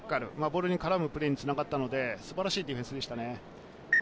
ボールに絡むプレーにつながったので、素晴らしいディフェンスでしたね。